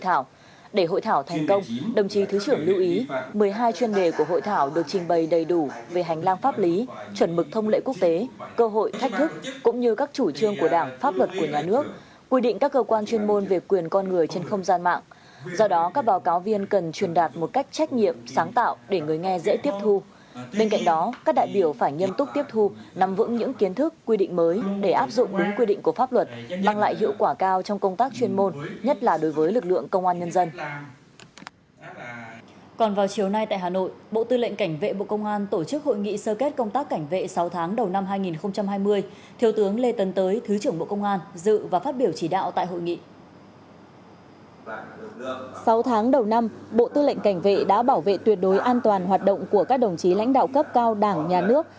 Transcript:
sáu tháng đầu năm bộ tư lệnh cảnh vệ đã bảo vệ tuyệt đối an toàn hoạt động của các đồng chí lãnh đạo cấp cao đảng nhà nước